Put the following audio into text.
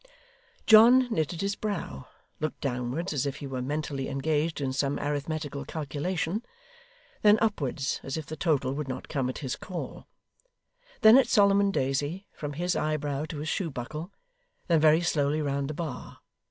John knitted his brow; looked downwards, as if he were mentally engaged in some arithmetical calculation; then upwards, as if the total would not come at his call; then at Solomon Daisy, from his eyebrow to his shoe buckle; then very slowly round the bar.